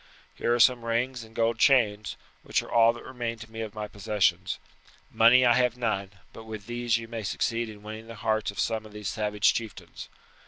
Here are some rings and gold chains, which are all that remain to me of my possessions. Money I have none; but with these you may succeed in winning the hearts of some of these savage chieftains.